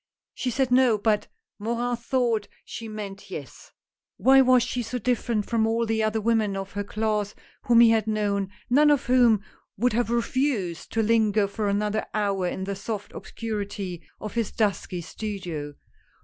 She said no, but Morin thought she meant yes. Why was she so different from all the other women of her class whom he had known, none of whom would have refused to linger for another hour in the soft obscurity of this dusky studio.